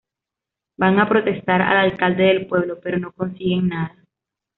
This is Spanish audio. Van a protestar al alcalde del pueblo, pero no consiguen nada.